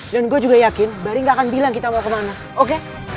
gue juga yakin bari gak akan bilang kita mau kemana oke